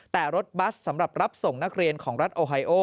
แต่รถบัสสำหรับรับส่งนักเรียนของรัฐโอไฮโอ